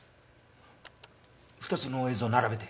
２つの映像並べて。